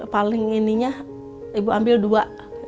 paling ininya ibu ambil dua